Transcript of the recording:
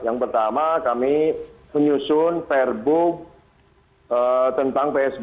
yang pertama kami menyusun per book tentang psbb